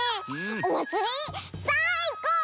おまつりさいこう！